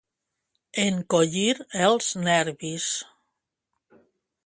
Encollir els nervis.